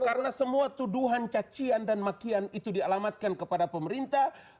karena semua tuduhan cacian dan makian itu dialamatkan kepada pemerintah